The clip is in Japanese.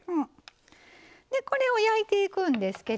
でこれを焼いていくんですけれども。